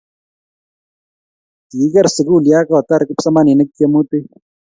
Kikiger sukul ya kotar kipsomaninik tyemutik